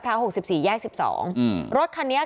กระทั่งตำรวจก็มาด้วยนะคะ